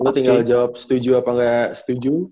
lu tinggal jawab setuju apa gak setuju